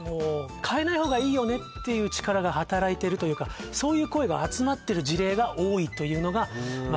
変えない方がいいよねっていう力が働いてるというかそういう声が集まってる事例が多いというのがまあ